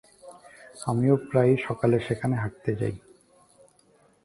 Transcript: পাকিস্তান গণপরিষদের সদস্য ছিলেন তিনি।